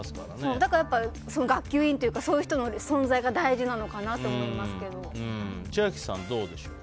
だから学級委員とかそういう人の存在が千秋さん、どうでしょう？